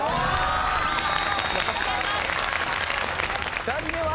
２人目は。